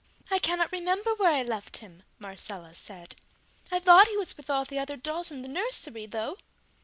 "I cannot remember where I left him!" Marcella said. "I thought he was with all the other dolls in the nursery, though!"